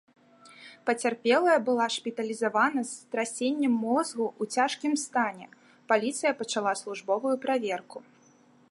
Пацярпелая была шпіталізавана з страсеннем мозгу ў цяжкім стане, паліцыя пачала службовую праверку.